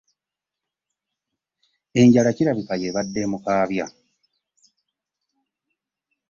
Enjala kirabika y'ebadde emukaabya.